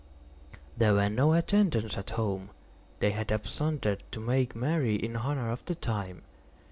There were no attendants at home; they had absconded to make merry in honor of the time.